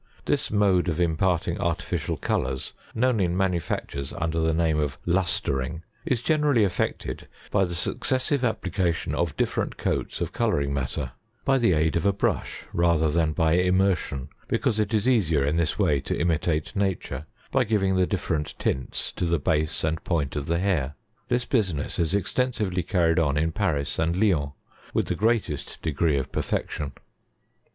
This mode of imparting artificial colours, known in manufactures under the name of lustering, is generally effected by the succes sive application of different coats of colouring matter, by the aid of a brush rather than by immersion, because it is easier in this way to imitate nature, by giving the different tints to the base and point of the hair. This business is extensively carried on in Paris and Lyons, with the greatest degree of perfection.